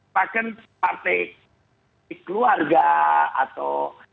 bahkan partai keluarga atau